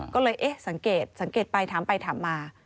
ก็เลยเอ๊ะสังเกตสังเกตไปถามไปถามมา